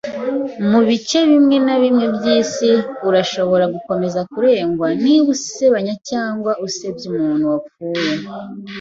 Mu bice bimwe na bimwe byisi, urashobora gukomeza kuregwa niba usebanya cyangwa usebya umuntu wapfuye.